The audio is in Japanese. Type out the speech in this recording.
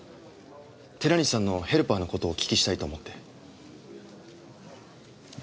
寺西さんのヘルパーの事をお聞きしたいと思って。